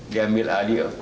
dia ambil alih